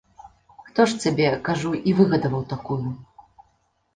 Хто ж цябе, кажу, і выгадаваў такую?